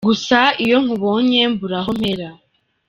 Gusa iyo nkubonye mbura aho mpera.